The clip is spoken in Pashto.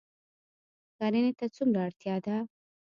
کرنې ته څومره اړتیا ده؟